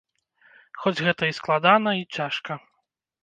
Хоць гэта і складана, і цяжка.